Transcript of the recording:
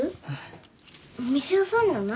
お店屋さんじゃないの？